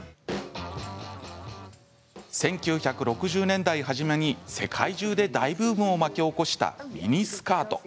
１９６０年代初めに世界中で大ブームを巻き起こしたミニスカート。